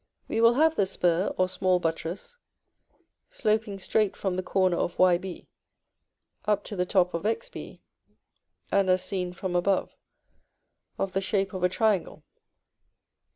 We will have the spur, or small buttress, sloping straight from the corner of Yb up to the top of Xb, and as seen from above, of the shape of a triangle.